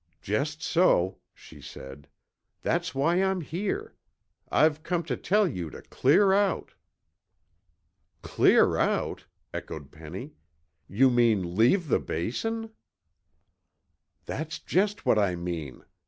"Just so," she said. "That's why I'm here. I've come to tell you to clear out." "Clear out!" echoed Penny. "You mean leave the Basin?" "That's just what I mean.